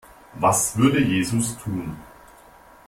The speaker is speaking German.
Was würde Jesus tun?